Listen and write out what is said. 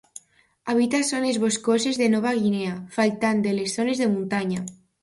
Habita zones boscoses de Nova Guinea, faltant de les zones de muntanya.